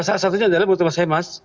salah satunya adalah menurut saya mas